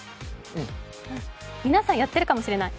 皆さん、やっているかもしれない。